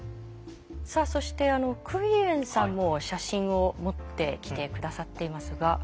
さあそしてクイエンさんも写真を持ってきて下さっていますが。